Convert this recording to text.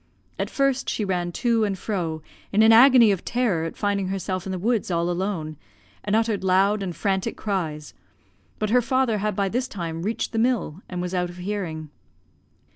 At first she ran to and fro in an agony of terror at finding herself in the woods all alone, and uttered loud and frantic cries, but her father had by this time reached the mill and was out of hearing.